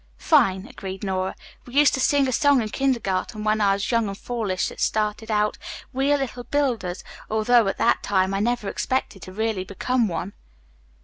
"Fine," agreed Nora. "We used to sing a song in kindergarten when I was very young and foolish that started out, 'We are little builders,' although at that time I never expected to really become one."